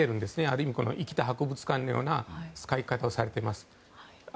ある意味、生きた博物館のような使い方をされています。